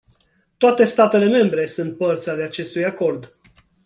Toate statele membre sunt părți ale acestui acord.